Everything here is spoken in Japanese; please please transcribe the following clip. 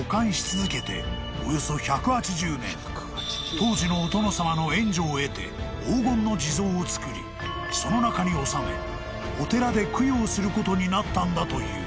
［当時のお殿様の援助を得て黄金の地蔵をつくりその中に納めお寺で供養することになったんだという］